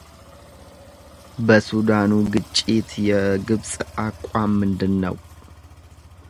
በሱዳኑ ግጭት የግብጽ አቋም ምንድን ነው?